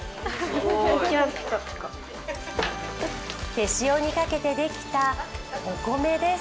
手塩にかけてできたお米です。